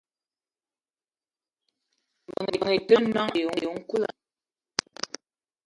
Mbeng i te noong ayi nkoula.